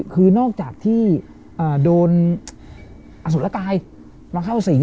คือนอกจากที่โดนอสุรกายมาเข้าสิง